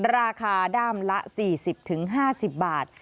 ราคาด้ามละ๔๐๕๐บาท